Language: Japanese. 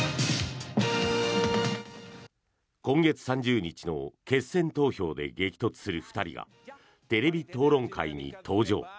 今月３０日の決選投票で激突する２人がテレビ討論会に登場。